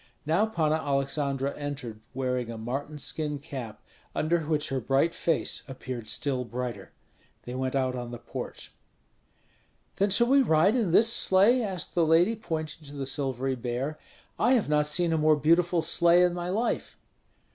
Now Panna Aleksandra entered, wearing a marten skin cap, under which her bright face appeared still brighter. They went out on the porch. "Then shall we ride in this sleigh?" asked the lady, pointing to the silvery bear. "I have not seen a more beautiful sleigh in my life."